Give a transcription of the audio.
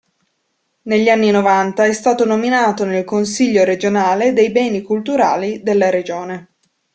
Negli anni Novanta è stato nominato nel Consiglio regionale dei Beni culturali della Regione.